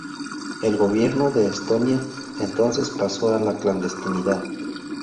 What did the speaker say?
El Gobierno de Estonia, entonces, pasó a la clandestinidad.